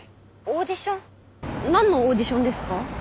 オーディション？何のオーディションですか？